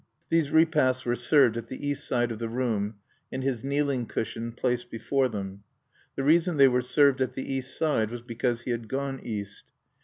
These repasts were served at the east side of the room, and his kneeling cushion placed before them. The reason they were served at the east side, was because he had gone east.